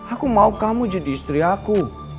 aku mau kamu jadi istri aku